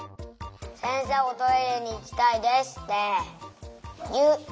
せんせいおトイレにいきたいですっていう！